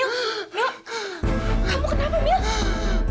kamu kenapa mil